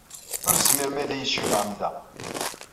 Ur tezmirem ad iyi-tjemɛem da.